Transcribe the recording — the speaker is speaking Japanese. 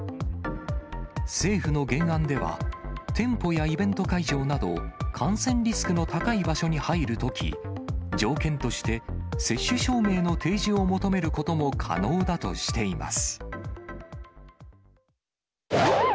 政府の原案では、店舗やイベント会場など感染リスクの高い場所に入るとき、条件として、接種証明の提示を求めることも可能だとしています。